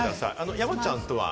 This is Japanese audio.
山ちゃんとは？